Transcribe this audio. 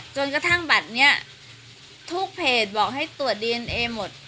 จนกระทั่งบัตรนี้ทุกเพจบอกให้ตรวจดีเอนเอหมด